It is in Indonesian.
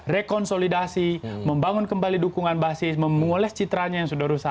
rekonsolidasi membangun kembali dukungan basis memoles citranya yang sudah rusak